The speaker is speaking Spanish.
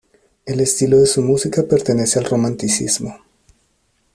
El estilo de su música pertenece al romanticismo.